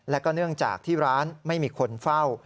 และก็เนื่องจากที่ร้านไม่มีคนเฝ้า